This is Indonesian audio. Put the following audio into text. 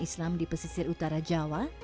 islam di pesisir utara jawa